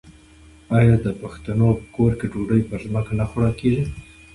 آیا د پښتنو په کور کې ډوډۍ په ځمکه نه خوړل کیږي؟